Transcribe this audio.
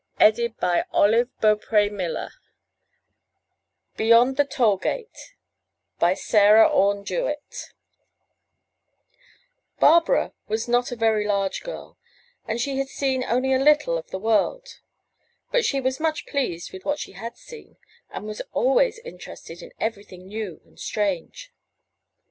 433 M Y BOOK HOUSE BEYOND THE TOLL GATE* Sarah Orne Jewett Barbara was not a very large girl, and she had seen only a little of the world; but she was much pleased with what she had seen, and was always interested in everything new and strange.